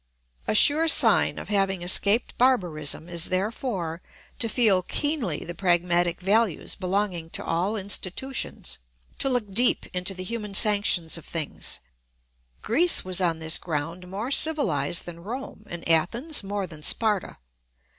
A sure sign of having escaped barbarism is therefore to feel keenly the pragmatic values belonging to all institutions, to look deep into the human sanctions of things. Greece was on this ground more civilised than Rome, and Athens more than Sparta.